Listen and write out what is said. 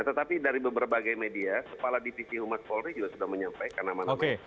tetapi dari berbagai media kepala dipisi umat polri juga sudah menyampaikan nama nama